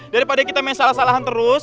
daripada kita salah salahan terus